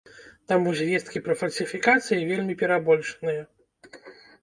Таму звесткі пра фальсіфікацыі вельмі перабольшаныя.